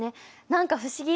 何か不思議！